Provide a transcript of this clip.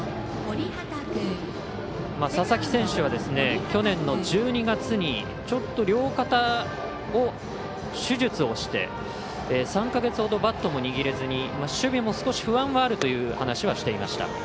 佐々木選手は去年の１２月にちょっと、両肩を手術をして３か月ほどバットも握れずに守備も少し不安はあるという話はしていました。